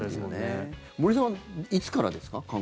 森さん、いつからですか？